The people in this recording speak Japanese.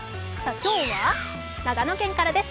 今日は長野県からです。